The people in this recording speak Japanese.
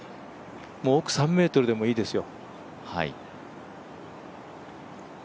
奥３ｍでもいいですよ。